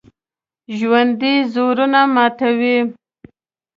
ژوندي زړونه ماتوي